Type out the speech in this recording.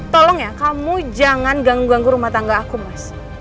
tolong ya kamu jangan ganggu ganggu rumah tangga aku mas